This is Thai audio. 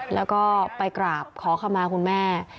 แล้วก็ไปกราบขอขมาคุณแม่